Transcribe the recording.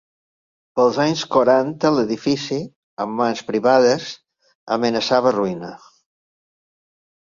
Pels anys quaranta l'edifici -en mans privades- amenaçava ruïna.